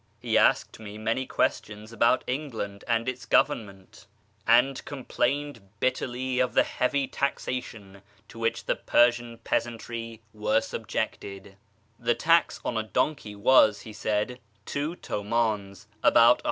He asked me many questions bout England and its government, and complained bitterly of 23 354 ^ YEAR AMONGST THE PERSIANS the heavy taxation to wliich the Persian peasantry were subjected. The tax on a donkey was, he said, two ti'uiidns (about 13s.)